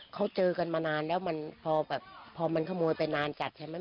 เขาเจอกันมานานแล้วพอมันขโมยไปนานจัดใช่มั้ย